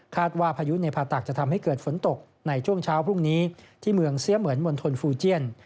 ว่าพายุในผ่าตักจะทำให้เกิดฝนตกในช่วงเช้าพรุ่งนี้ที่เมืองเสียเหมือนมณฑลฟูเจียน